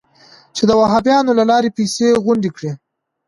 چې د وهابیانو له لارې پیسې غونډې کړي.